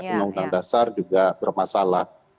undang undang dasar juga bermasalah